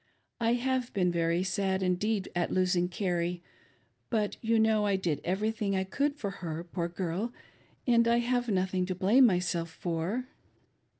I have been very sad indeed at losing Carrie, but you know I did everything I could for her, poor girl, and I have nothing to blame myself for."